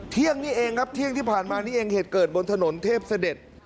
เที่ยงนี้เองครับเที่ยงที่ผ่านมานี่เองเหตุเกิดบนถนนเทพเสด็จ